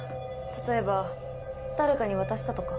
例えば誰かに渡したとか。